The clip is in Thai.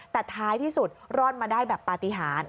แต่ท้ายที่สุดรอดมาได้แบบปฏิหาร